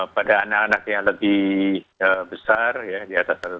pada anak anak yang lebih besar ya di atas satu tahun